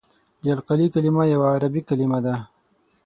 د القلي کلمه یوه عربي کلمه ده.